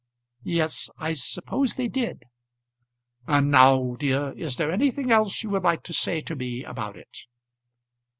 "Yes; I suppose they did." "And now, dear, is there anything else you would like to say to me about it?"